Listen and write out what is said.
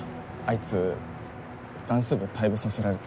いつダンス部退部させられて。